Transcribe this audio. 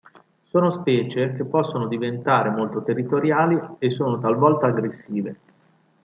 Sono specie che possono diventare molto territoriali e sono talvolta aggressive.